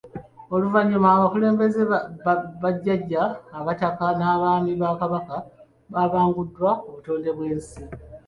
Oluvannyuma abakulembeze, bajjajja abataka n’abaami ba Kabaka babanguddwa ku butonde bw’ensi.